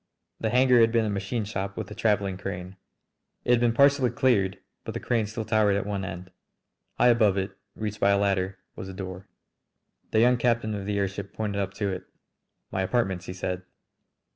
The hangar had been a machine shop with a travelling crane. It had been partially cleared but the crane still towered at one end. High above it, reached by a ladder, was a door. The young captain of the airship pointed up to it. "My apartments!" he said.